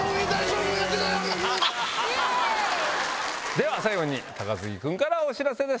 では最後に高杉君からお知らせです。